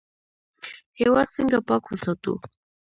هیواد څنګه پاک وساتو؟